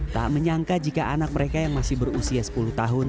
tak menyangka jika anak mereka yang masih berusia sepuluh tahun